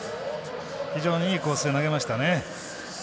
非常にいいコースで投げましたね。